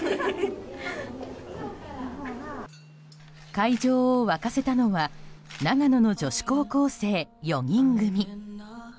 会場を沸かせたのは長野の女子高校生４人組。